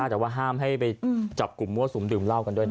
แต่ว่าห้ามให้ไปจับกลุ่มมั่วสุมดื่มเหล้ากันด้วยนะ